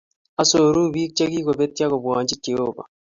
Osoru biik chikikobetyo kobwanji Jehovah